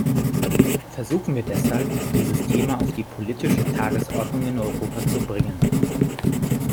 Versuchen wir deshalb, dieses Thema auf die politische Tagesordnung in Europa zu bringen.